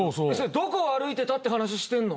どこを歩いてたって話してんの。